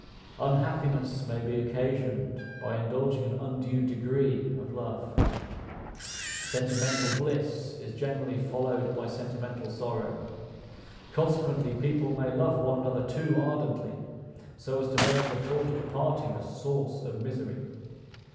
Unhappiness may be occasioned by indulging an undue degree of love. Sentimental bliss is generally followed by sentimental sorrow; consequently, people may love one another too ardently, so as to make the thought of parting a source of misery.